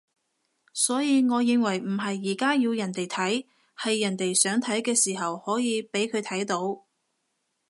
所以我認為唔係而家要人哋睇，係人哋想睇嘅時候可以畀佢睇到